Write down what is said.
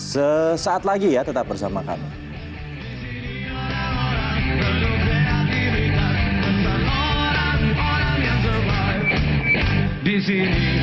sesaat lagi ya tetap bersama kami